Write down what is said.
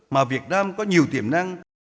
mà việt nam có nhiều tiềm năng